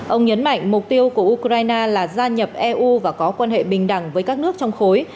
ông nhấn mạnh mục tiêu của ukraine là gia nhập eu và có quan hệ bình đẳng với các nước trong khối